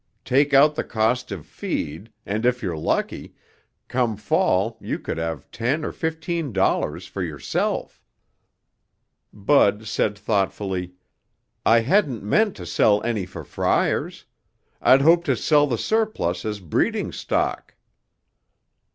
Take out the cost of feed, and if you're lucky, come fall you could have ten or fifteen dollars for yourself." Bud said thoughtfully, "I hadn't meant to sell any for fryers. I'd hoped to sell the surplus as breeding stock."